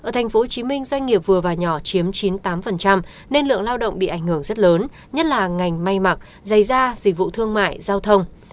ở tp hcm doanh nghiệp vừa và nhỏ chiếm chín mươi tám nên lượng lao động bị ảnh hưởng rất lớn nhất là ngành may mặc dây da dịch vụ thương mại giao thông